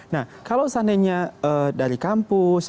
nah kalau seandainya dari kampus